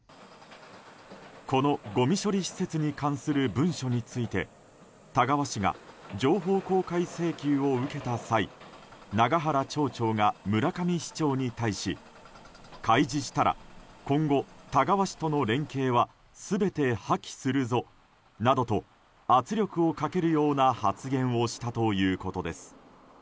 この、ごみ処理施設に関する文書について田川市が情報公開請求を受けた際永原町長が村上市長に対し開示したら今後、田川市との連携は全て破棄するぞなどと圧力をかけるような発言をしたということです。